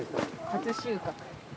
初収穫。